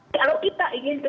nah kalau kita ingin itu